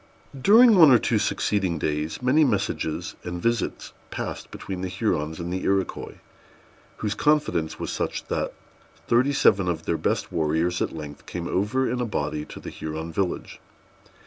During one or two succeeding days, many messages and visits passed between the Hurons and the Iroquois, whose confidence was such, that thirty seven of their best warriors at length came over in a body to the Huron village.